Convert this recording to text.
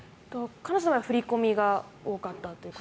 彼女の場合振り込みが多かったと。